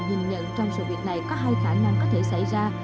nhìn nhận trong sự việc này có hai khả năng có thể xảy ra